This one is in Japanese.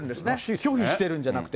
拒否してるんじゃなくて。